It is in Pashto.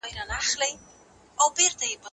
څنګه قانون د وژنو مخه نیسي؟